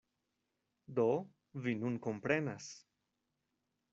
Do, vi nun komprenas.